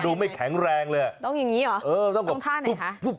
ต้องอย่างนี้เหรอต้องท่าไหนคะ